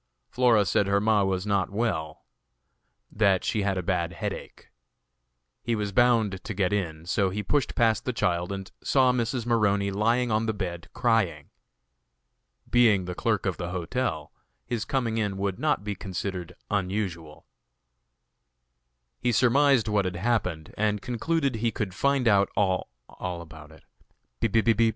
Flora said her ma was not well, that she had a bad headache. He was bound to get in, so he pushed past the child and saw Mrs. Maroney lying on the bed crying. Being the clerk of the hotel, his coming in would not be considered unusual. He enquired if there was nothing he could do for her, and she said no.